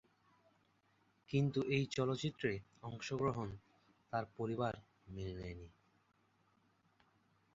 কিন্তু এই চলচ্চিত্রে অংশগ্রহণ তার পরিবার মেনে নেয়নি।